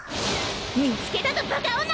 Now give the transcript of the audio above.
見つけたぞバカ女！